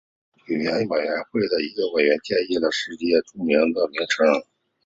语言委员会的一个委员建议了世界语学院的名称。